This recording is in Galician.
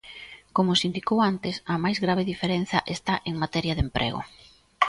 Como se indicou antes, a máis grave diferenza está en materia de emprego.